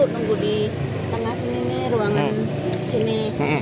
nunggu di tengah sini nih ruangan sini